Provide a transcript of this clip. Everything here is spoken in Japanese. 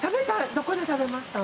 どこで食べました？